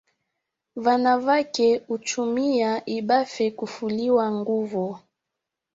Vanavake huchumia ibafe kufulia nguvo